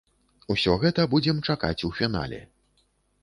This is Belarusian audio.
Усё гэта будзем чакаць у фінале.